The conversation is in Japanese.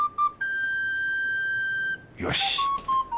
よし。